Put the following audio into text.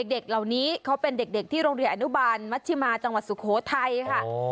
เด็กเหล่านี้เขาเป็นเด็กที่โรงเรียนอนุบาลมัชชิมาจังหวัดสุโขทัยค่ะ